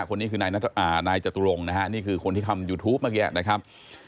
คนนี้คือนายจตุรงค์นะฮะนี่คือคนที่ทำยูทูปเมื่อกี้นะครับ